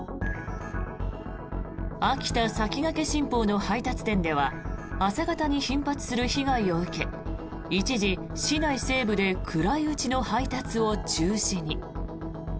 秋田魁新報の配達店では朝方に頻発する被害を受け一時、市内西部で暗いうちの配達を中止に。